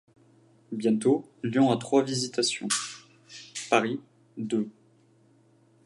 Bientôt, Lyon a trois Visitations, Paris, deux.